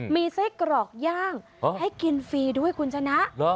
มีไส้กรอกย่างให้กินฟรีด้วยคุณชนะ